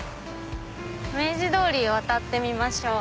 明治通り渡ってみましょう。